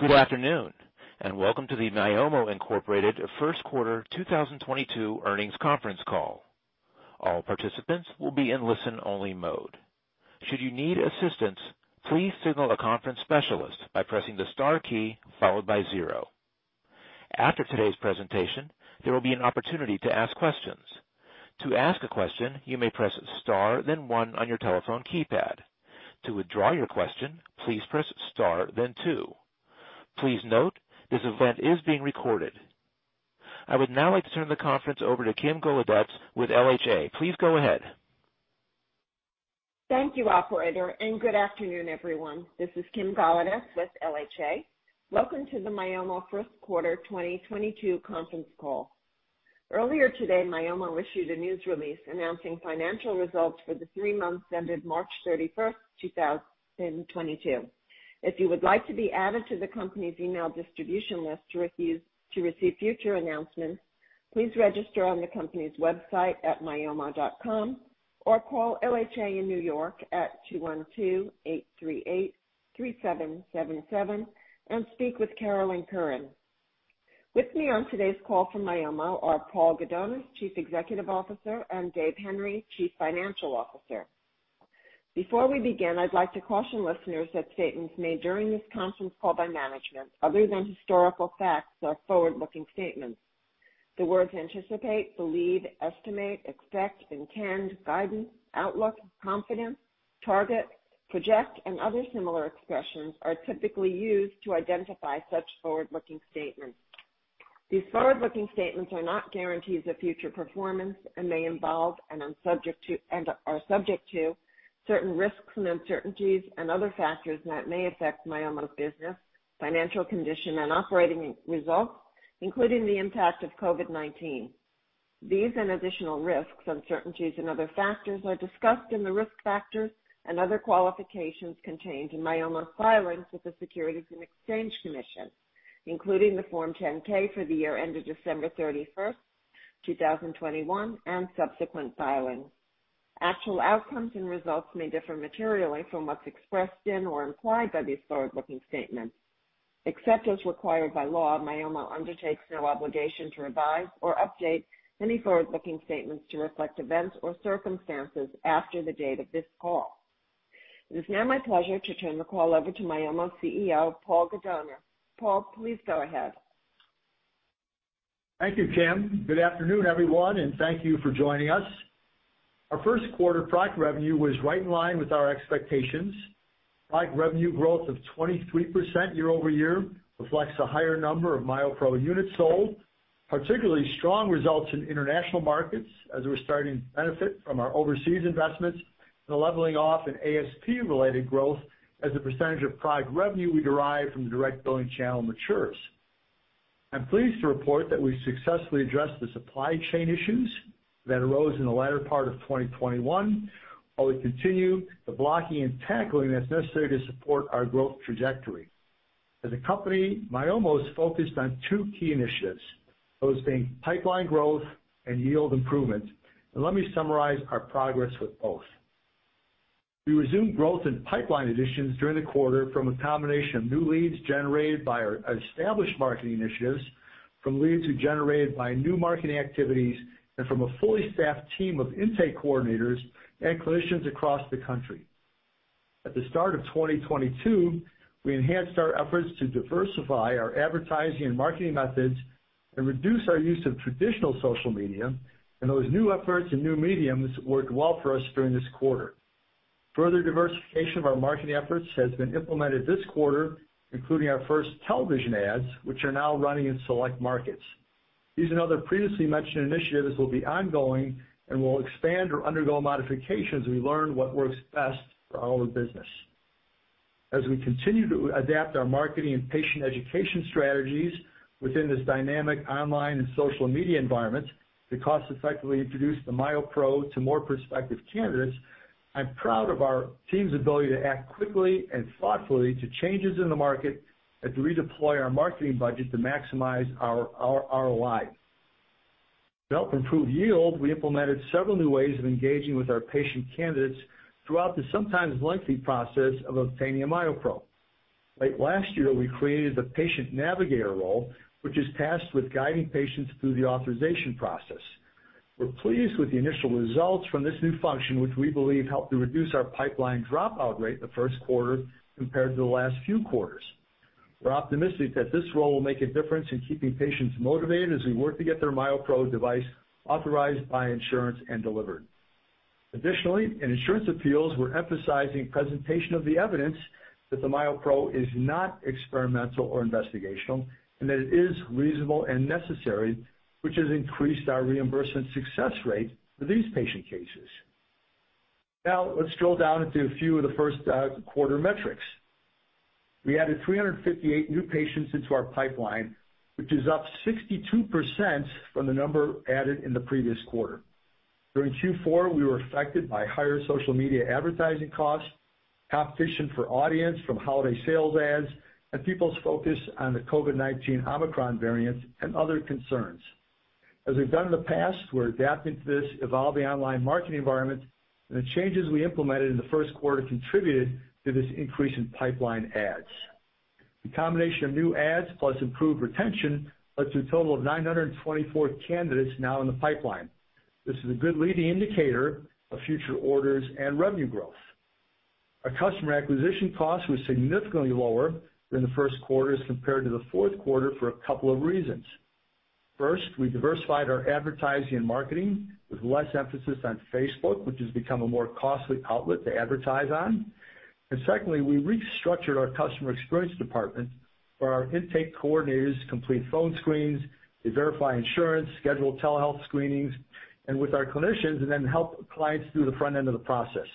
Good afternoon, and welcome to the Myomo Incorporated first quarter 2022 earnings conference call. All participants will be in listen-only mode. Should you need assistance, please signal a conference specialist by pressing the star key followed by zero. After today's presentation, there will be an opportunity to ask questions. To ask a question, you may press star then one on your telephone keypad. To withdraw your question, please press star then two. Please note, this event is being recorded. I would now like to turn the conference over to Kim Golodetz with LHA. Please go ahead. Thank you, operator, and good afternoon, everyone. This is Kim Golodetz with LHA. Welcome to the Myomo first quarter 2022 conference call. Earlier today, Myomo issued a news release announcing financial results for the three months ended March 31st, 2022. If you would like to be added to the company's email distribution list to receive future announcements, please register on the company's website at myomo.com or call LHA in New York at 212-838-3777 and speak with Carolyn Curran. With me on today's call from Myomo are Paul Gudonis, Chief Executive Officer, and Dave Henry, Chief Financial Officer. Before we begin, I'd like to caution listeners that statements made during this conference call by management, other than historical facts, are forward-looking statements. The words anticipate, believe, estimate, expect, intend, guidance, outlook, confidence, target, project, and other similar expressions are typically used to identify such forward-looking statements. These forward-looking statements are not guarantees of future performance and may involve and are subject to certain risks and uncertainties and other factors that may affect Myomo's business, financial condition, and operating results, including the impact of COVID-19. These and additional risks, uncertainties, and other factors are discussed in the risk factors and other qualifications contained in Myomo's filings with the Securities and Exchange Commission, including the Form 10-K for the year ended December 31st, 2021, and subsequent filings. Actual outcomes and results may differ materially from what's expressed in or implied by these forward-looking statements. Except as required by law, Myomo undertakes no obligation to revise or update any forward-looking statements to reflect events or circumstances after the date of this call. It is now my pleasure to turn the call over to Myomo CEO, Paul Gudonis. Paul, please go ahead. Thank you, Kim. Good afternoon, everyone, and thank you for joining us. Our first quarter product revenue was right in line with our expectations. Product revenue growth of 23% year-over-year reflects a higher number of MyoPro units sold, particularly strong results in international markets as we're starting to benefit from our overseas investments and a leveling off in ASP-related growth as a percentage of product revenue we derive from the direct billing channel matures. I'm pleased to report that we've successfully addressed the supply chain issues that arose in the latter part of 2021, while we continue the blocking and tackling that's necessary to support our growth trajectory. As a company, Myomo's focused on two key initiatives, those being pipeline growth and yield improvement. Let me summarize our progress with both. We resumed growth in pipeline additions during the quarter from a combination of new leads generated by our established marketing initiatives, from leads generated by new marketing activities, and from a fully staffed team of intake coordinators and clinicians across the country. At the start of 2022, we enhanced our efforts to diversify our advertising and marketing methods and reduce our use of traditional social media, and those new efforts and new mediums worked well for us during this quarter. Further diversification of our marketing efforts has been implemented this quarter, including our first television ads, which are now running in select markets. These and other previously mentioned initiatives will be ongoing and will expand or undergo modifications as we learn what works best for our line of business. As we continue to adapt our marketing and patient education strategies within this dynamic online and social media environment to cost effectively introduce the MyoPro to more prospective candidates, I'm proud of our team's ability to act quickly and thoughtfully to changes in the market and to redeploy our marketing budget to maximize our ROI. To help improve yield, we implemented several new ways of engaging with our patient candidates throughout the sometimes lengthy process of obtaining a MyoPro. Late last year, we created the patient navigator role, which is tasked with guiding patients through the authorization process. We're pleased with the initial results from this new function, which we believe helped to reduce our pipeline dropout rate in the first quarter compared to the last few quarters. We're optimistic that this role will make a difference in keeping patients motivated as we work to get their MyoPro device authorized by insurance and delivered. Additionally, in insurance appeals, we're emphasizing presentation of the evidence that the MyoPro is not experimental or investigational and that it is reasonable and necessary, which has increased our reimbursement success rate for these patient cases. Now, let's drill down into a few of the first quarter metrics. We added 358 new patients into our pipeline, which is up 62% from the number added in the previous quarter. During Q4, we were affected by higher social media advertising costs, competition for audience from holiday sales ads, and people's focus on the COVID-19 Omicron variants and other concerns. As we've done in the past, we're adapting to this evolving online marketing environment, and the changes we implemented in the first quarter contributed to this increase in pipeline ads. The combination of new ads plus improved retention led to a total of 924 candidates now in the pipeline. This is a good leading indicator of future orders and revenue growth. Our customer acquisition cost was significantly lower than the first quarter as compared to the fourth quarter for a couple of reasons. First, we diversified our advertising and marketing with less emphasis on Facebook, which has become a more costly outlet to advertise on. Secondly, we restructured our customer experience department, where our intake coordinators complete phone screens, they verify insurance, schedule telehealth screenings, and with our clinicians and then help clients through the front end of the process.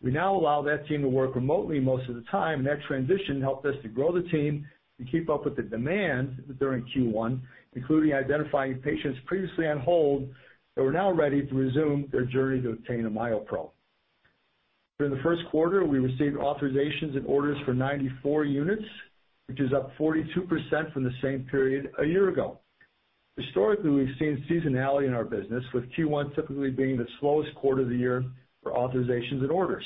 We now allow that team to work remotely most of the time, and that transition helped us to grow the team to keep up with the demand during Q1, including identifying patients previously on hold that were now ready to resume their journey to obtain a MyoPro. During the first quarter, we received authorizations and orders for 94 units, which is up 42% from the same period a year ago. Historically, we've seen seasonality in our business, with Q1 typically being the slowest quarter of the year for authorizations and orders.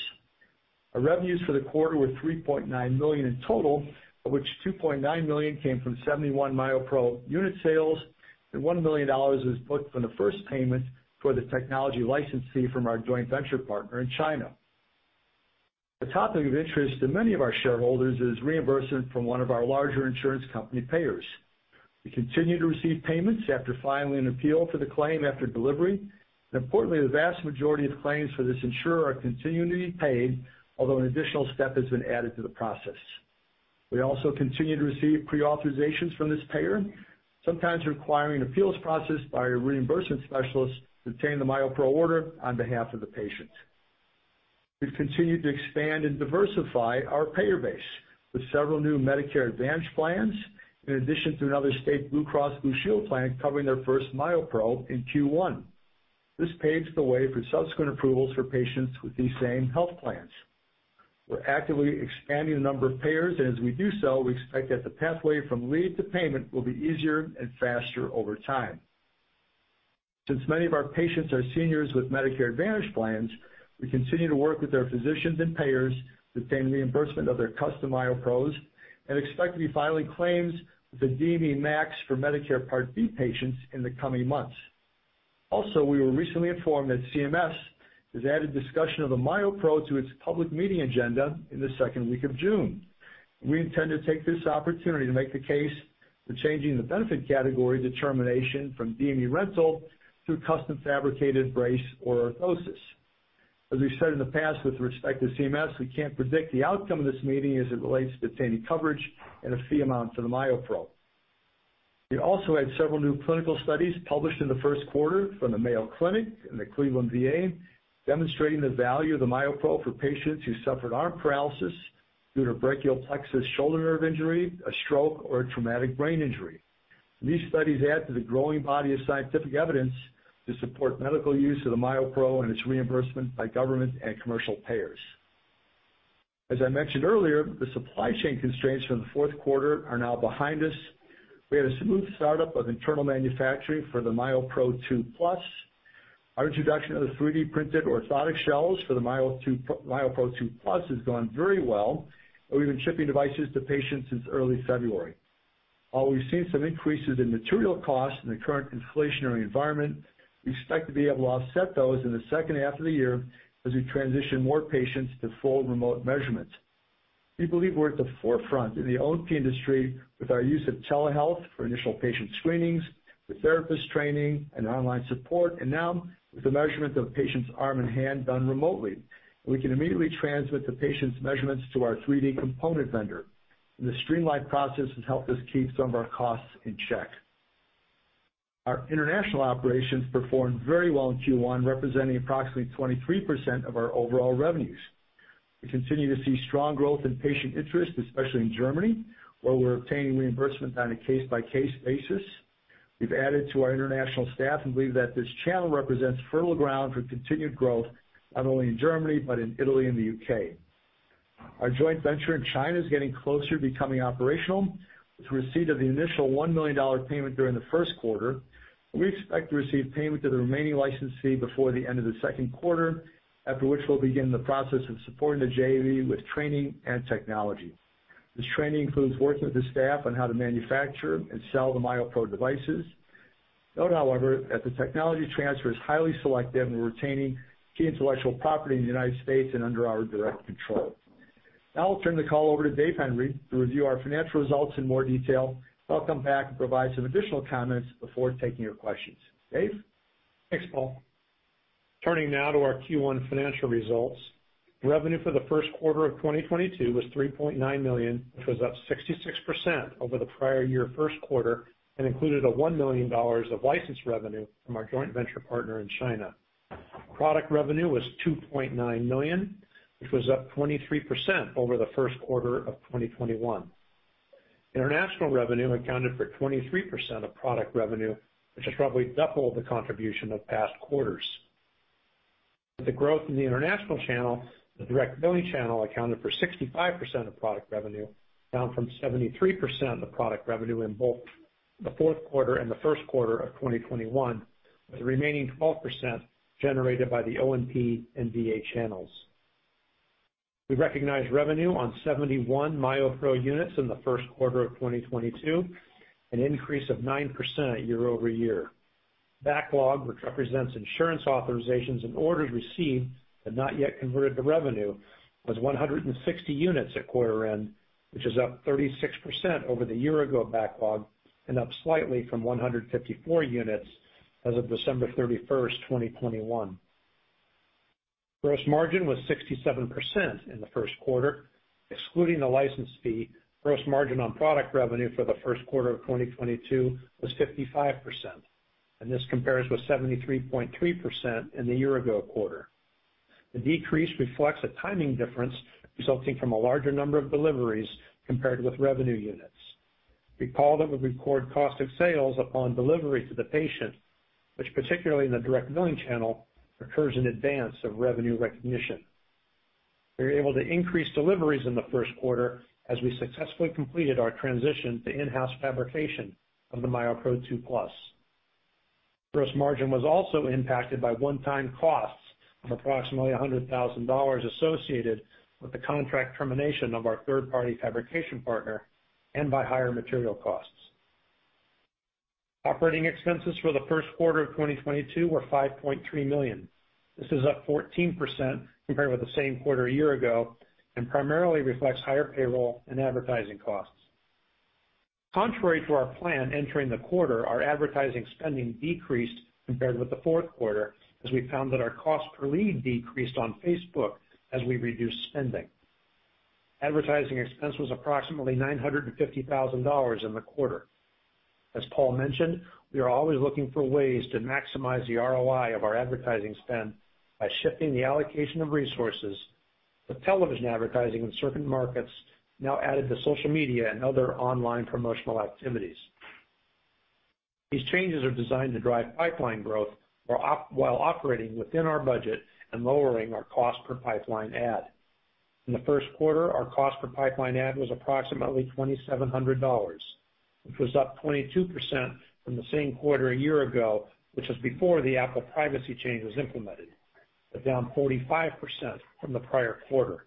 Our revenues for the quarter were $3.9 million in total, of which $2.9 million came from 71 MyoPro unit sales, and $1 million was booked from the first payment for the technology licensee from our joint venture partner in China. The topic of interest to many of our shareholders is reimbursement from one of our larger insurance company payers. We continue to receive payments after filing an appeal for the claim after delivery, and importantly, the vast majority of claims for this insurer are continuing to be paid, although an additional step has been added to the process. We also continue to receive pre-authorizations from this payer, sometimes requiring appeals processed by a reimbursement specialist to obtain the MyoPro order on behalf of the patients. We've continued to expand and diversify our payer base with several new Medicare Advantage plans, in addition to another state Blue Cross Blue Shield plan covering their first MyoPro in Q1. This paves the way for subsequent approvals for patients with these same health plans. We're actively expanding the number of payers, and as we do so, we expect that the pathway from lead to payment will be easier and faster over time. Since many of our patients are seniors with Medicare Advantage plans, we continue to work with their physicians and payers to obtain reimbursement of their Custom MyoPros and expect to be filing claims with the DME MAC for Medicare Part B patients in the coming months. Also, we were recently informed that CMS has added discussion of the MyoPro to its public meeting agenda in the second week of June. We intend to take this opportunity to make the case for changing the benefit category determination from DME rental to custom fabricated brace or orthosis. As we've said in the past with respect to CMS, we can't predict the outcome of this meeting as it relates to obtaining coverage and a fee amount for the MyoPro. We also had several new clinical studies published in the first quarter from the Mayo Clinic and the Cleveland VA, demonstrating the value of the MyoPro for patients who suffered arm paralysis due to brachial plexus shoulder nerve injury, a stroke, or a traumatic brain injury. These studies add to the growing body of scientific evidence to support medical use of the MyoPro and its reimbursement by government and commercial payers. As I mentioned earlier, the supply chain constraints from the fourth quarter are now behind us. We had a smooth startup of internal manufacturing for the MyoPro 2+. Our introduction of the 3D printed orthotic shells for the MyoPro 2+ has gone very well, and we've been shipping devices to patients since early February. While we've seen some increases in material costs in the current inflationary environment, we expect to be able to offset those in the second half of the year as we transition more patients to full remote measurements. We believe we're at the forefront in the OT industry with our use of telehealth for initial patient screenings, with therapist training and online support, and now with the measurement of a patient's arm and hand done remotely. We can immediately transmit the patient's measurements to our 3D component vendor. This streamlined process has helped us keep some of our costs in check. Our international operations performed very well in Q1, representing approximately 23% of our overall revenues. We continue to see strong growth in patient interest, especially in Germany, where we're obtaining reimbursement on a case-by-case basis. We've added to our international staff and believe that this channel represents fertile ground for continued growth, not only in Germany but in Italy and the U.K. Our joint venture in China is getting closer to becoming operational with receipt of the initial $1 million payment during the first quarter. We expect to receive payment of the remaining license fee before the end of the second quarter, after which we'll begin the process of supporting the JV with training and technology. This training includes working with the staff on how to manufacture and sell the MyoPro devices. Note, however, that the technology transfer is highly selective in retaining key intellectual property in the United States and under our direct control. Now I'll turn the call over to Dave Henry to review our financial results in more detail. I'll come back and provide some additional comments before taking your questions. Dave? Thanks, Paul. Turning now to our Q1 financial results. Revenue for the first quarter of 2022 was $3.9 million, which was up 66% over the prior year first quarter and included $1 million of license revenue from our joint venture partner in China. Product revenue was $2.9 million, which was up 23% over the first quarter of 2021. International revenue accounted for 23% of product revenue, which is roughly double the contribution of past quarters. The growth in the international channel. The direct billing channel accounted for 65% of product revenue, down from 73% of product revenue in both the fourth quarter and the first quarter of 2021, with the remaining 12% generated by the O&P and VA channels. We recognized revenue on 71 MyoPro units in the first quarter of 2022, an increase of 9% year-over-year. Backlog, which represents insurance authorizations and orders received but not yet converted to revenue, was 160 units at quarter end, which is up 36% over the year-ago backlog and up slightly from 154 units as of December 31st, 2021. Gross margin was 67% in the first quarter. Excluding the license fee, gross margin on product revenue for the first quarter of 2022 was 55%, and this compares with 73.3% in the year-ago quarter. The decrease reflects a timing difference resulting from a larger number of deliveries compared with revenue units. Recall that we record cost of sales upon delivery to the patient, which particularly in the direct billing channel, occurs in advance of revenue recognition. We were able to increase deliveries in the first quarter as we successfully completed our transition to in-house fabrication of the MyoPro 2+. Gross margin was also impacted by one-time costs of approximately $100,000 associated with the contract termination of our third party fabrication partner and by higher material costs. Operating expenses for the first quarter of 2022 were $5.3 million. This is up 14% compared with the same quarter a year ago and primarily reflects higher payroll and advertising costs. Contrary to our plan entering the quarter, our advertising spending decreased compared with the fourth quarter as we found that our cost per lead decreased on Facebook as we reduced spending. Advertising expense was approximately $950,000 in the quarter. As Paul mentioned, we are always looking for ways to maximize the ROI of our advertising spend by shifting the allocation of resources with television advertising in certain markets now added to social media and other online promotional activities. These changes are designed to drive pipeline growth while operating within our budget and lowering our cost per pipeline ad. In the first quarter, our cost per pipeline ad was approximately $2,700, which was up 22% from the same quarter a year ago, which was before the Apple privacy change was implemented, but down 45% from the prior quarter.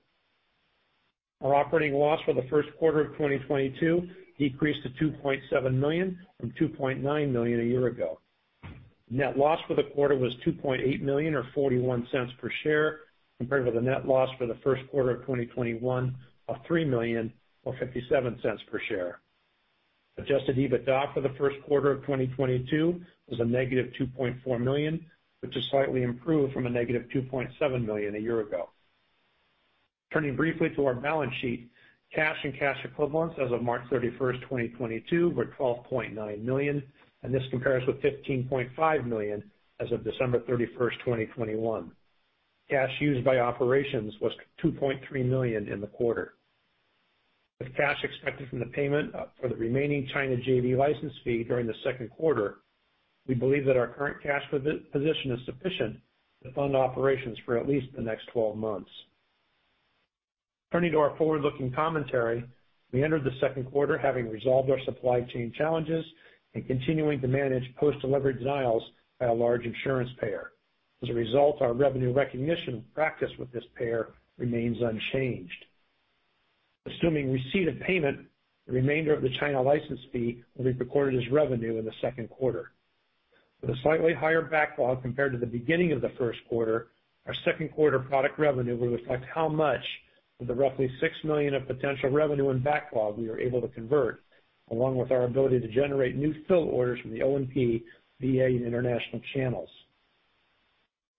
Our operating loss for the first quarter of 2022 decreased to $2.7 million from $2.9 million a year ago. Net loss for the quarter was $2.8 million or $0.41 per share, compared with a net loss for the first quarter of 2021 of $3 million or $0.57 per share. Adjusted EBITDA for the first quarter of 2022 was -$2.4 million, which is slightly improved from -$2.7 million a year ago. Turning briefly to our balance sheet. Cash and cash equivalents as of March 31st, 2022, were $12.9 million, and this compares with $15.5 million as of December 31st, 2021. Cash used by operations was $2.3 million in the quarter. With cash expected from the payment for the remaining China JV license fee during the second quarter, we believe that our current cash position is sufficient to fund operations for at least the next 12 months. Turning to our forward-looking commentary, we entered the second quarter having resolved our supply chain challenges and continuing to manage post delivery denials by a large insurance payer. As a result, our revenue recognition practice with this payer remains unchanged. Assuming receipt of payment, the remainder of the China license fee will be recorded as revenue in the second quarter. With a slightly higher backlog compared to the beginning of the first quarter, our second quarter product revenue will reflect how much of the roughly $6 million of potential revenue and backlog we are able to convert, along with our ability to generate new fill orders from the O&P, VA, and international channels.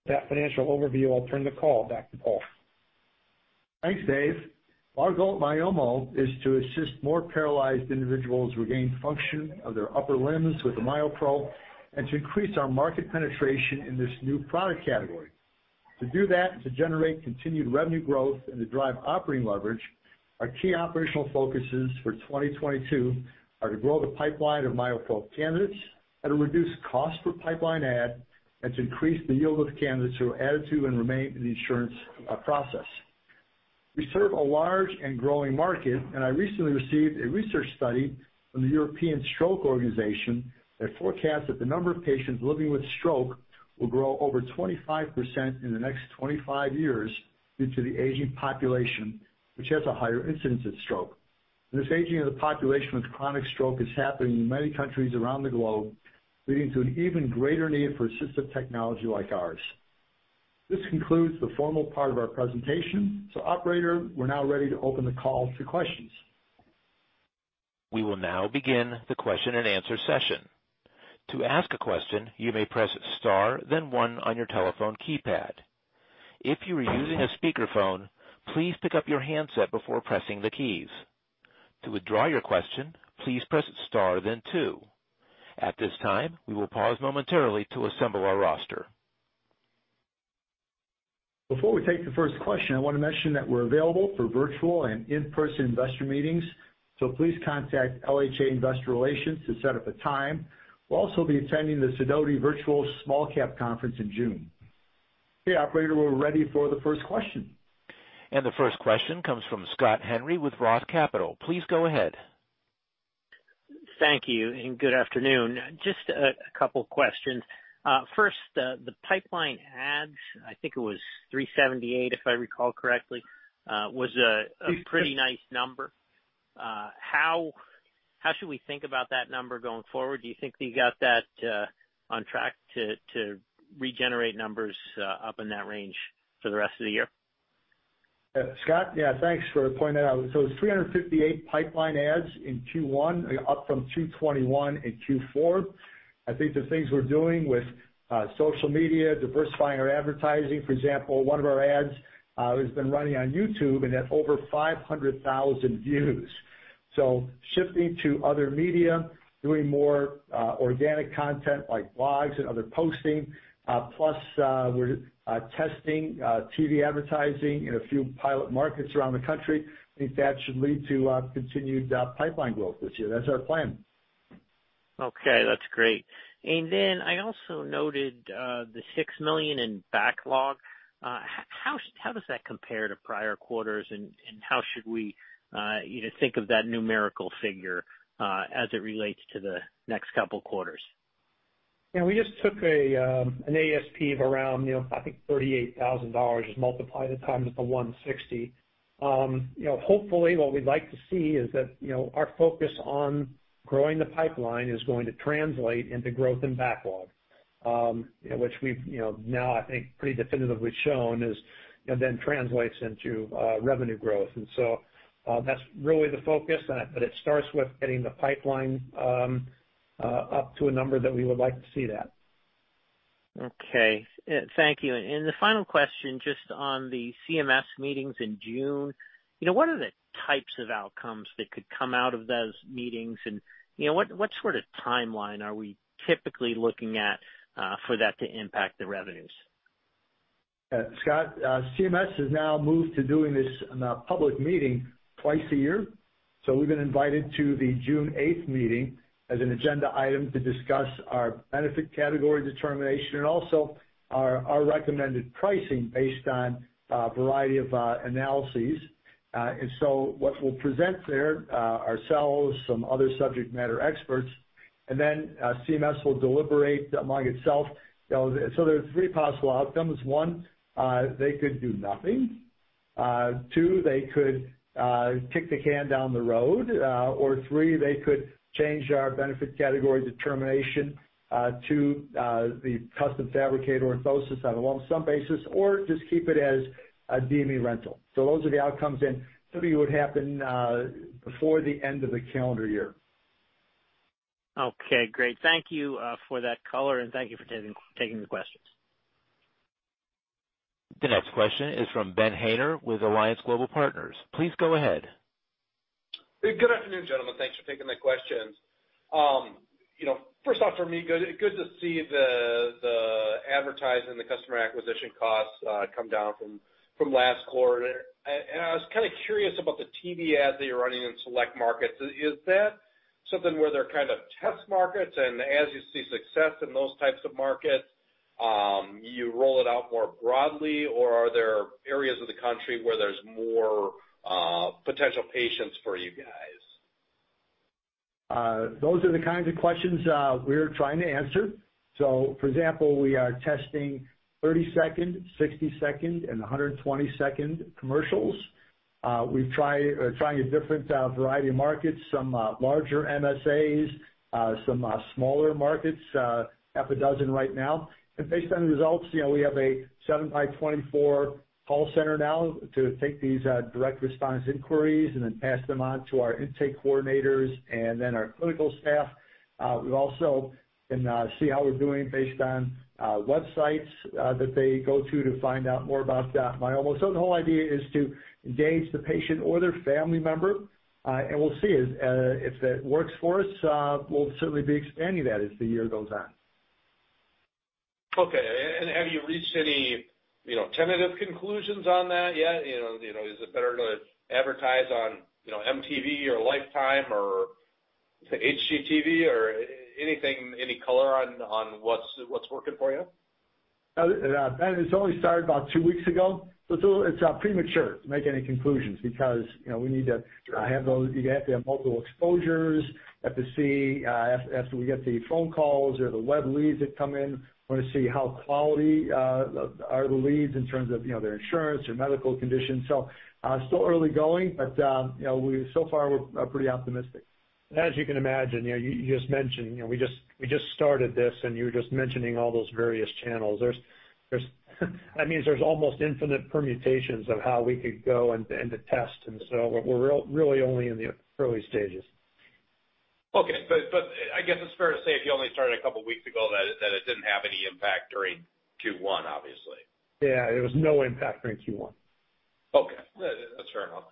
With that financial overview, I'll turn the call back to Paul. Thanks, Dave. Our goal at Myomo is to assist more paralyzed individuals regain function of their upper limbs with the MyoPro and to increase our market penetration in this new product category. To do that and to generate continued revenue growth and to drive operating leverage, our key operational focuses for 2022 are to grow the pipeline of MyoPro candidates, to reduce cost per pipeline add, and to increase the yield of the candidates who are added to and remain in the insurance process. We serve a large and growing market, and I recently received a research study from the European Stroke Organisation that forecasts that the number of patients living with stroke will grow over 25% in the next 25 years due to the aging population, which has a higher incidence of stroke. This aging of the population with chronic stroke is happening in many countries around the globe, leading to an even greater need for assistive technology like ours. This concludes the formal part of our presentation. Operator, we're now ready to open the call to questions. We will now begin the question and answer session. To ask a question, you may press star then one on your telephone keypad. If you are using a speakerphone, please pick up your handset before pressing the keys. To withdraw your question, please press star then two. At this time, we will pause momentarily to assemble our roster. Before we take the first question, I wanna mention that we're available for virtual and in-person investor meetings, so please contact LHA Investor Relations to set up a time. We'll also be attending the Sidoti Virtual Small-Cap Conference in June. Okay, operator, we're ready for the first question. The first question comes from Scott Henry with Roth Capital. Please go ahead. Thank you, and good afternoon. Just a couple questions. First, the pipeline ads, I think it was 378, if I recall correctly, was a pretty nice number. How should we think about that number going forward? Do you think that you got that on track to regenerate numbers up in that range for the rest of the year? Scott, yeah, thanks for pointing that out. It's 358 pipeline ads in Q1 up from 221 in Q4. I think the things we're doing with social media, diversifying our advertising, for example, one of our ads has been running on YouTube and has over 500,000 views. Shifting to other media, doing more organic content like blogs and other posting, plus we're testing TV advertising in a few pilot markets around the country. I think that should lead to continued pipeline growth this year. That's our plan. Okay, that's great. I also noted the $6 million in backlog. How does that compare to prior quarters and how should we, you know, think of that numerical figure as it relates to the next couple quarters? Yeah, we just took an ASP of around, you know, I think $38,000, just multiply that times the 160. You know, hopefully, what we'd like to see is that, you know, our focus on growing the pipeline is going to translate into growth and backlog, which we've, you know, now I think pretty definitively shown. It then translates into revenue growth. That's really the focus, but it starts with getting the pipeline up to a number that we would like to see that. Okay. Thank you. The final question, just on the CMS meetings in June, you know, what are the types of outcomes that could come out of those meetings? You know, what sort of timeline are we typically looking at, for that to impact the revenues? Yeah. Scott, CMS has now moved to doing this public meeting twice a year. We've been invited to the June 8th meeting as an agenda item to discuss our benefit category determination and also our recommended pricing based on a variety of analyses. What we'll present there, ourselves, some other subject matter experts, and then, CMS will deliberate among itself. You know, there are three possible outcomes. One, they could do nothing. Two, they could kick the can down the road. Or three, they could change our benefit category determination to the custom fabricator orthosis on a lump sum basis, or just keep it as a DME rental. Those are the outcomes, and three would happen before the end of the calendar year. Okay, great. Thank you for that color, and thank you for taking the questions. The next question is from Ben Haynor with Alliance Global Partners. Please go ahead. Good afternoon, gentlemen. Thanks for taking the questions. You know, first off, for me, good to see the advertising, the customer acquisition costs come down from last quarter. I was kinda curious about the TV ad that you're running in select markets. Is that something where they're kind of test markets and as you see success in those types of markets, you roll it out more broadly, or are there areas of the country where there's more potential patients for you guys? Those are the kinds of questions we're trying to answer. For example, we are testing 30-second, 60-second and 120-second commercials. We're trying a different variety of markets, some larger MSAs, some smaller markets, half a dozen right now. Based on the results, you know, we have a 24/7 call center now to take these direct response inquiries and then pass them on to our intake coordinators and then our clinical staff. We also can see how we're doing based on websites that they go to to find out more about Myomo. The whole idea is to engage the patient or their family member and we'll see. If that works for us, we'll certainly be expanding that as the year goes on. Okay. Have you reached any, you know, tentative conclusions on that yet? You know, is it better to advertise on, you know, MTV or Lifetime or say, HGTV or anything, any color on what's working for you? Ben, it's only started about two weeks ago, it's premature to make any conclusions because, you know, we need to have those. You have to have multiple exposures. Have to see, after we get the phone calls or the web leads that come in, wanna see how quality are the leads in terms of, you know, their insurance, their medical condition. Still early going, but, you know, so far we're pretty optimistic. As you can imagine, you know, you just mentioned, you know, we just started this and you were just mentioning all those various channels. That means there's almost infinite permutations of how we could go and to test. We're really only in the early stages. I guess it's fair to say if you only started a couple weeks ago that it didn't have any impact during Q1, obviously. Yeah. There was no impact during Q1. Okay. That's fair enough.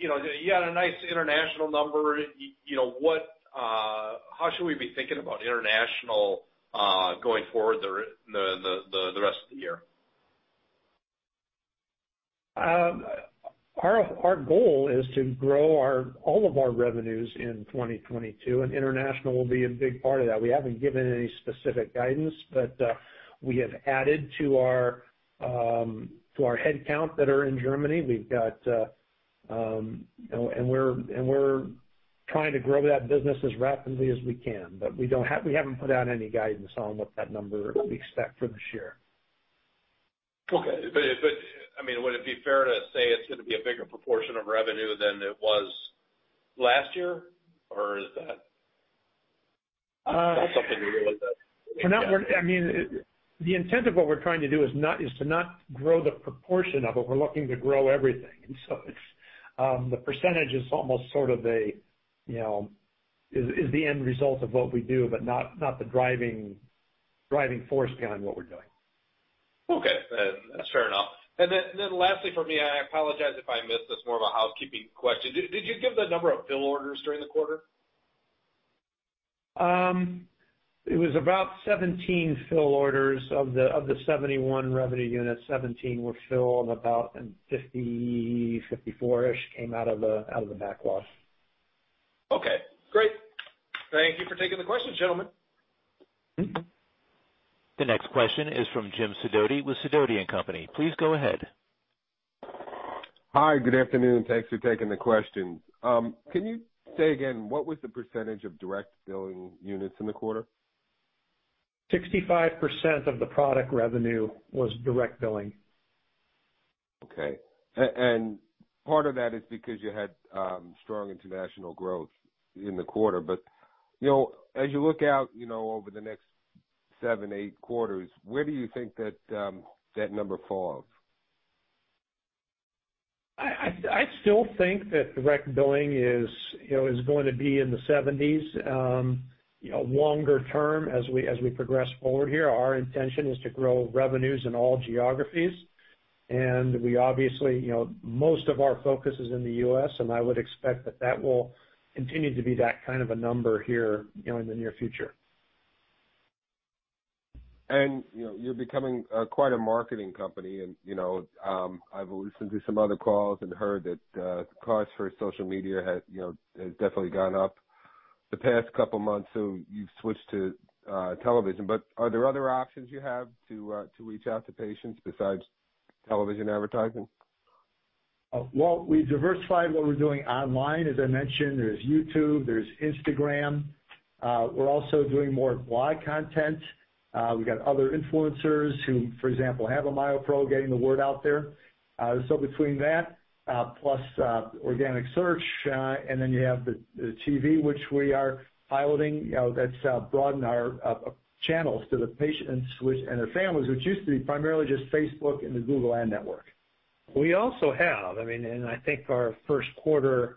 You know, you had a nice international number. You know, what, how should we be thinking about international going forward the rest of the year? Our goal is to grow all of our revenues in 2022, and international will be a big part of that. We haven't given any specific guidance, but we have added to our headcount that are in Germany. We're trying to grow that business as rapidly as we can, but we haven't put out any guidance on what that number we expect for this year. I mean, would it be fair to say it's gonna be a bigger proportion of revenue than it was last year? Is that not something you realize that. I mean, the intent of what we're trying to do is to not grow the proportion of it. We're looking to grow everything. The percentage is almost sort of a, you know, is the end result of what we do, but not the driving force behind what we're doing. Okay. That's fair enough. Lastly for me, I apologize if I missed this. More of a housekeeping question. Did you give the number of fill orders during the quarter? It was about 17 filled orders of the 71 revenue units. 17 were filled about, and 54-ish came out of the backlog. Okay, great. Thank you for taking the question, gentlemen. The next question is from Jim Sidoti with Sidoti & Company. Please go ahead. Hi, good afternoon. Thanks for taking the question. Can you say again, what was the percentage of direct billing units in the quarter? 65% of the product revenue was direct billing. Okay. Part of that is because you had strong international growth in the quarter. You know, as you look out, you know, over the next seven to eight quarters, where do you think that number falls? I still think that direct billing is, you know, going to be in the 70s longer term as we progress forward here. Our intention is to grow revenues in all geographies. We obviously, you know, most of our focus is in the U.S., and I would expect that will continue to be that kind of a number here, you know, in the near future. You know, you're becoming quite a marketing company and, you know, I've listened to some other calls and heard that costs for social media has definitely gone up the past couple months, so you've switched to television. But are there other options you have to reach out to patients besides television advertising? Well, we diversified what we're doing online. As I mentioned, there's YouTube, there's Instagram. We're also doing more vlog content. We've got other influencers who, for example, have a MyoPro getting the word out there. Between that, plus organic search, and then you have the TV, which we are piloting, you know, that's broadened our channels to the patients and their families, which used to be primarily just Facebook and the Google ad network. We also have, I mean, and I think our first quarter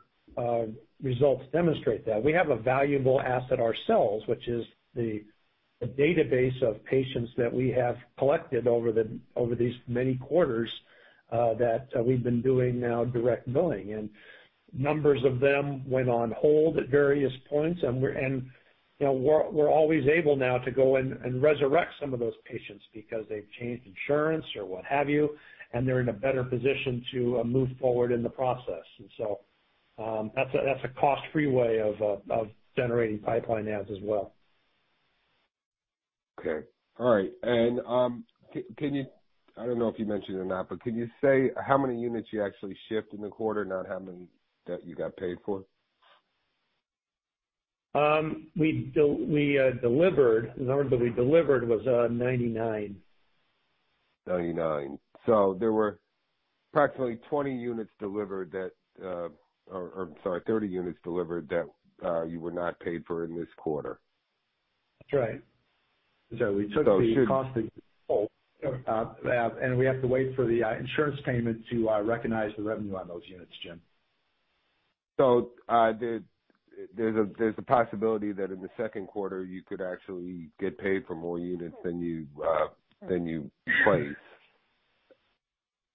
results demonstrate that we have a valuable asset ourselves, which is the database of patients that we have collected over these many quarters that we've been doing now direct billing. Numbers of them went on hold at various points. We're always able now to go and resurrect some of those patients because they've changed insurance or what have you, and they're in a better position to move forward in the process. That's a cost-free way of generating pipeline ads as well. Okay. All right. I don't know if you mentioned it or not, but can you say how many units you actually shipped in the quarter, not how many that you got paid for? We delivered the number that we delivered was 99. 99. There were approximately 30 units delivered that you were not paid for in this quarter. That's right. We took the cost, and we have to wait for the insurance payment to recognize the revenue on those units, Jim. There's a possibility that in the second quarter you could actually get paid for more units than you placed.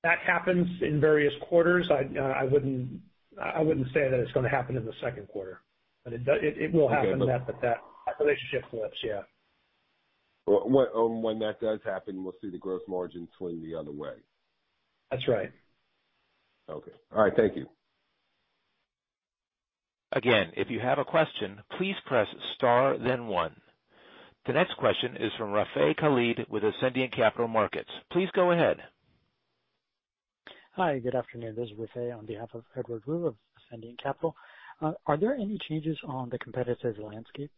That happens in various quarters. I wouldn't say that it's gonna happen in the second quarter, but it will happen that, but that relationship flips, yeah. When that does happen, we'll see the growth margin swing the other way. That's right. Okay. All right. Thank you. Again, if you have a question, please press star then one. The next question is from Rafay Khalid with Ascendiant Capital Markets. Please go ahead. Hi, good afternoon. This is Rafay on behalf of Edward Woo of Ascendiant Capital. Are there any changes on the competitive landscape?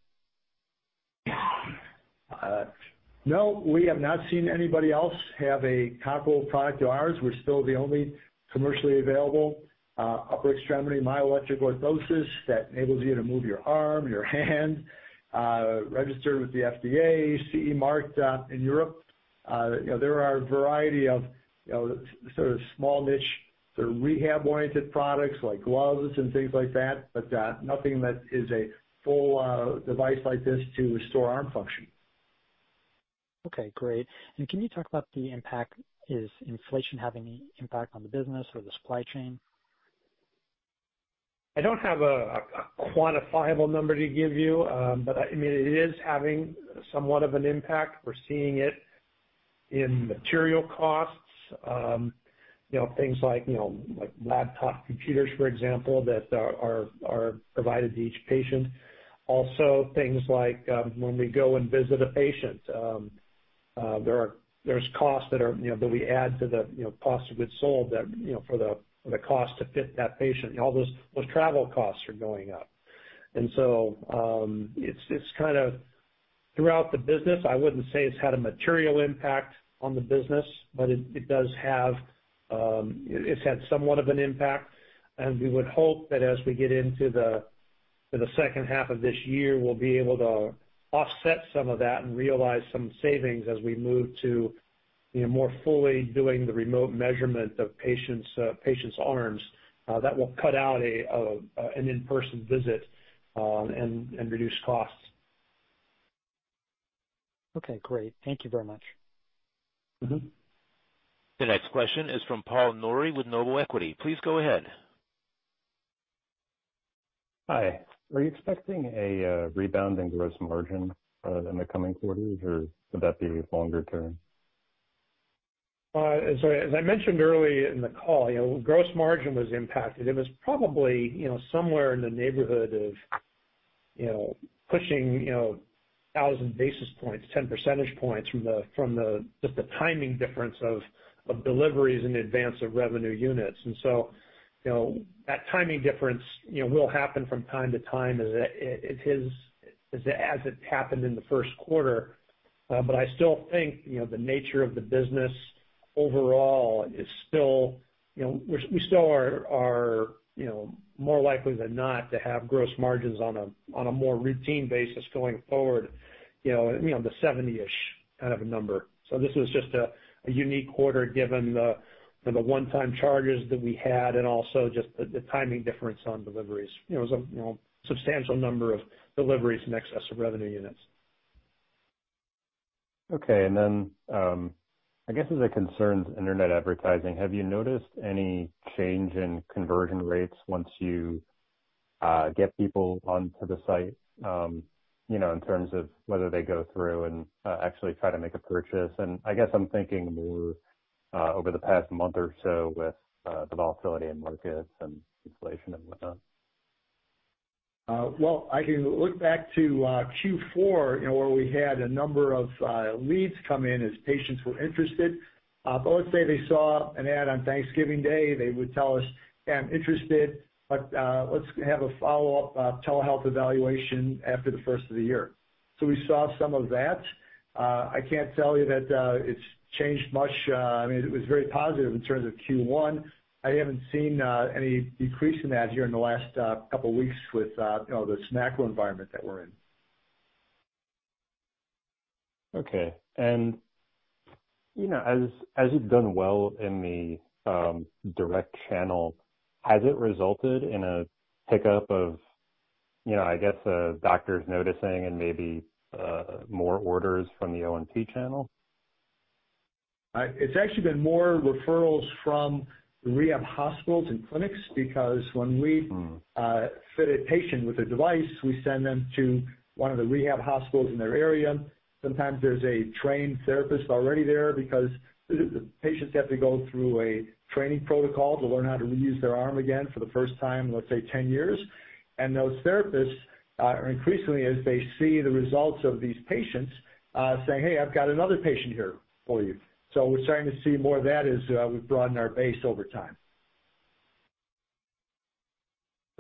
No, we have not seen anybody else have a comparable product to ours. We're still the only commercially available upper extremity myoelectric orthosis that enables you to move your arm, your hand, registered with the FDA, CE marked in Europe. You know, there are a variety of, you know, sort of small niche sort of rehab-oriented products like gloves and things like that, but nothing that is a full device like this to restore arm function. Okay, great. Can you talk about the impact? Is inflation having any impact on the business or the supply chain? I don't have a quantifiable number to give you. I mean, it is having somewhat of an impact. We're seeing it in material costs, you know, things like, you know, like laptop computers, for example, that are provided to each patient. Also, things like, when we go and visit a patient, there are costs that are, you know, that we add to the, you know, cost of goods sold that, you know, for the cost to fit that patient. All those travel costs are going up. It's kind of throughout the business. I wouldn't say it's had a material impact on the business, but it does have, it's had somewhat of an impact. We would hope that as we get into the second half of this year, we'll be able to offset some of that and realize some savings as we move to, you know, more fully doing the remote measurement of patients' arms. That will cut out an in-person visit and reduce costs. Okay, great. Thank you very much. Mm-hmm. The next question is from Paul Nouri with Noble Equity. Please go ahead. Hi. Are you expecting a rebound in gross margin in the coming quarters, or would that be longer term? As I mentioned early in the call, you know, gross margin was impacted. It was probably, you know, somewhere in the neighborhood of, you know, pushing, you know, 1,000 basis points, 10 percentage points from the just the timing difference of deliveries in advance of revenue units. That timing difference, you know, will happen from time to time as it is, as it happened in the first quarter. I still think, you know, the nature of the business overall is still, you know, we still are, you know, more likely than not to have gross margins on a more routine basis going forward, you know, you know, the 70-ish kind of a number. This was just a unique quarter given the, you know, the one-time charges that we had and also just the timing difference on deliveries. You know, it was a, you know, substantial number of deliveries in excess of revenue units. Okay. I guess as it concerns internet advertising, have you noticed any change in conversion rates once you get people onto the site, you know, in terms of whether they go through and actually try to make a purchase? I'm thinking more over the past month or so with the volatility in markets and inflation and whatnot. Well, I can look back to Q4, you know, where we had a number of leads come in as patients were interested. But let's say they saw an ad on Thanksgiving Day, they would tell us, "Yeah, I'm interested, but let's have a follow-up telehealth evaluation after the first of the year." We saw some of that. I can't tell you that it's changed much. I mean, it was very positive in terms of Q1. I haven't seen any decrease in that here in the last couple weeks with, you know, the macro environment that we're in. Okay. You know, as you've done well in the direct channel, has it resulted in a pickup of, you know, I guess, doctors noticing and maybe more orders from the O&P channel? It's actually been more referrals from the rehab hospitals and clinics because when we fit a patient with a device, we send them to one of the rehab hospitals in their area. Sometimes there's a trained therapist already there because the patients have to go through a training protocol to learn how to reuse their arm again for the first time in, let's say, 10 years. Those therapists are increasingly as they see the results of these patients saying, "Hey, I've got another patient here for you." We're starting to see more of that as we've broadened our base over time.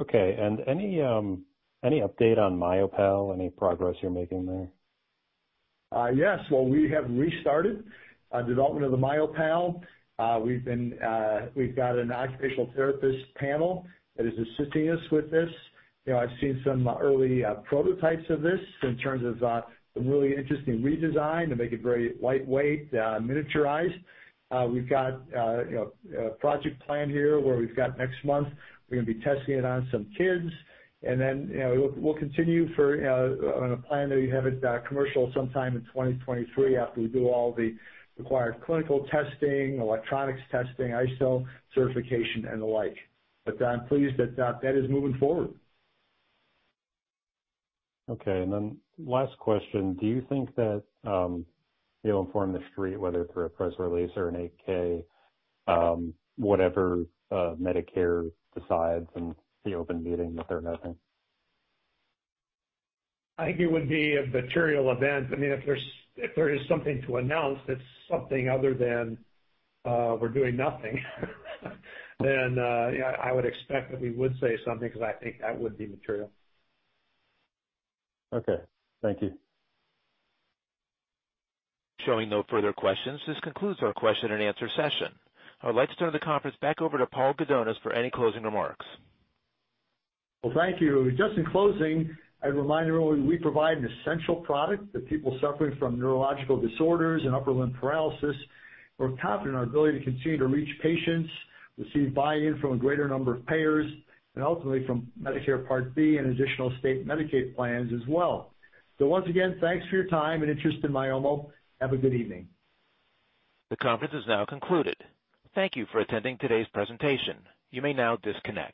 Okay. Any update on MyoPal? Any progress you're making there? Yes. Well, we have restarted development of the MyoPal. We've got an occupational therapist panel that is assisting us with this. You know, I've seen some early prototypes of this in terms of some really interesting redesign to make it very lightweight, miniaturized. We've got, you know, project plan here where we've got next month we're gonna be testing it on some kids. You know, we'll continue on a plan to have it commercial sometime in 2023 after we do all the required clinical testing, electronics testing, ISO certification and the like. I'm pleased that is moving forward. Okay. Last question. Do you think that you'll inform the street whether through a press release or an 8-K, whatever, Medicare decides in the open meeting that they're noting? I think it would be a material event. I mean, if there is something to announce that's something other than we're doing nothing, then you know, I would expect that we would say something because I think that would be material. Okay. Thank you. Showing no further questions, this concludes our question and answer session. I would like to turn the conference back over to Paul Gudonis for any closing remarks. Well, thank you. Just in closing, I'd remind everyone we provide an essential product to people suffering from neurological disorders and upper limb paralysis. We're confident in our ability to continue to reach patients, receive buy-in from a greater number of payers, and ultimately from Medicare Part B and additional state Medicaid plans as well. Once again, thanks for your time and interest in Myomo. Have a good evening. The conference is now concluded. Thank you for attending today's presentation. You may now disconnect.